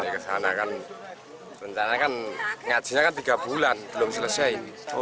balik ke sana kan rencananya kan ngajinya kan tiga bulan belum selesai